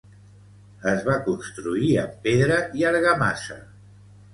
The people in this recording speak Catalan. Es va construir amb pedra i argamassa.